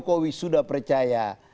pak jokowi sudah percaya